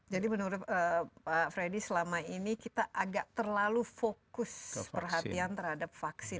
jadi menurut pak freddy selama ini kita agak terlalu fokus perhatian terhadap vaksin